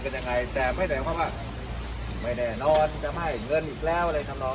ยังไงแต่ไม่ได้หมายความว่าไม่แน่นอนจะไม่ให้เงินอีกแล้วอะไรทำนอง